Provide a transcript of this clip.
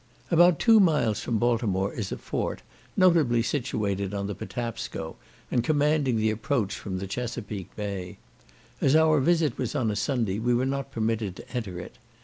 About two miles from Baltimore is a fort, nobly situated on the Patapsco, and commanding the approach from the Chesapeak bay. As our visit was on a Sunday we were not permitted to enter it.